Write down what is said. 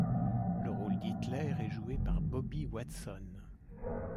Le rôle d'Hitler est joué par Bobby Watson.